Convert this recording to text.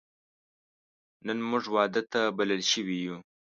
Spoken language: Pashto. نن موږ واده ته بلل شوی یو